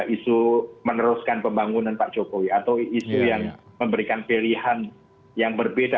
isu meneruskan pembangunan pak jokowi atau isu yang memberikan pilihan yang berbeda